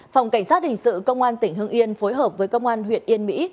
phòng cảnh sát hình sự công an tỉnh hưng yên phối hợp với công an huyện yên mỹ